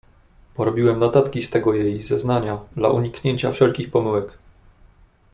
"Porobiłem notatki z tego jej zeznania dla uniknięcia wszelkich pomyłek“."